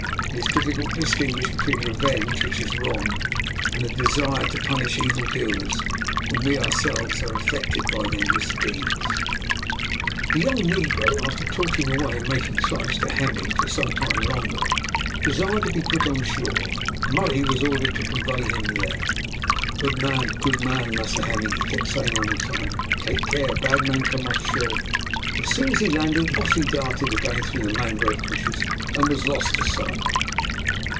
It is difficult to distinguish between revenge, which is wrong, and a desire to punish evil doers, when we ourselves are affected by their misdeeds. The young negro, after talking away and making signs to Hemming for some time longer, desired to be put on shore. Murray was ordered to convey him there. "Good man good man, Massa Hemming," he kept saying all the time. "Take care, bad man come off shore." As soon as he landed, off he darted again through the mangrove bushes, and was lost to sight.